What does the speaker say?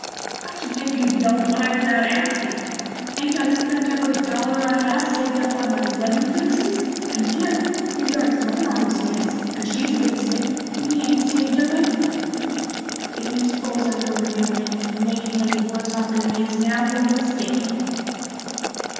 I should think you'd know why without askin'. Ain't I spent every dollar I have saved up on my weddin' fixin's, and Jim, he's got his mother on his hands, and she's been sick, and he ain't saved up anything. If you s'pose I'm goin' to marry him and make him any worse off than he is now you're mistaken."